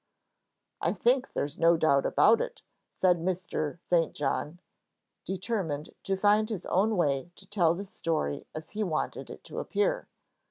"I think there's no doubt about it," said Mr. St. John, determined to find his own way to tell the story as he wanted it to appear.